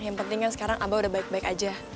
yang penting kan sekarang abah udah baik baik aja